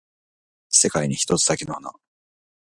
世界に一つだけの花